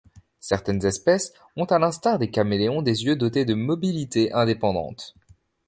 Certaines espèces ont à l'instar des caméléons des yeux dotés de mobilité indépendante.